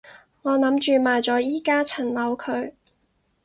我諗住賣咗依加層樓佢